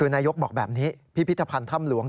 นายกบอกแบบนี้พิพิธภัณฑ์ถ้ำหลวง